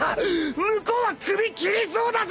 向こうは首斬りそうだぜ！